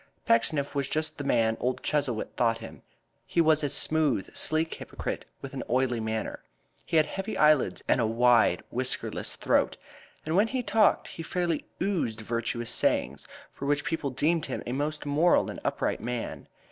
Pecksniff was just the man old Chuzzlewit thought him. He was a smooth, sleek hypocrite, with an oily manner. He had heavy eyelids and a wide, whiskerless throat, and when he talked he fairly oozed virtuous sayings, for which people deemed him a most moral and upright man.